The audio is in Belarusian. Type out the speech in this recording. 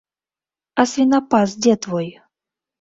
А свінапас дзе твой?